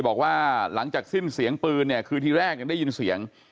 บอกว่าหลังจากสิ้นเสียงปืนเนี่ยคือทีแรกยังได้ยินเสียง